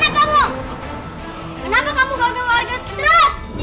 kenapa kamu ganggu warga terus